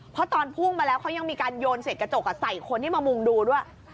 เพราะตอนพุ่งมาแล้วเขายังมีการโยนเสร็จกระจกใส่คนที่มามุงดูด้วย